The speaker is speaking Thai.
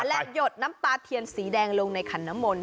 และหยดน้ำตาเทียนสีแดงลงในขันน้ำมนต